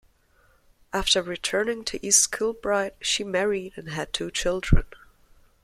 After returning to East Kilbride, she married and had two children.